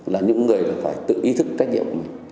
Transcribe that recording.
là những người phải tự ý thức trách nhiệm